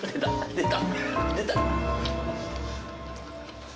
出た！